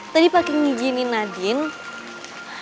tadi pake ngijinin nadine